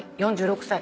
４６歳。